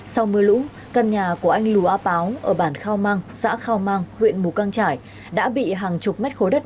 sau mưa lũ căn nhà của anh lù á páo ở bản khao mang xã khao mang huyện mù căng trải đã bị hàng chục mét khối đất đá